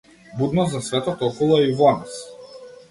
Будност за светот околу, а и во нас.